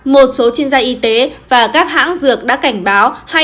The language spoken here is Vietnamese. một số chuyên gia y tế và các hãng dược đã cảnh báo